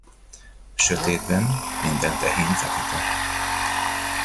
Sötétben minden tehén fekete.